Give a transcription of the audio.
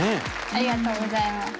ありがとうございます。